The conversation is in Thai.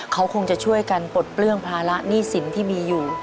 เขาคงจะช่วยกันปลดเปลื้องภาระหนี้สินที่มีอยู่